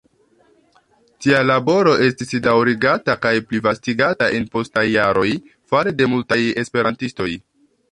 Tia laboro estis daŭrigata kaj plivastigata en postaj jaroj, fare de multaj esperantistoj.